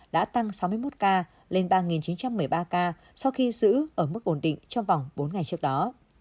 đã tăng sáu mươi một ca lên ba chín trăm một mươi ba ca sau khi giữ ở mức ổn định trong vòng bốn ngày trước đó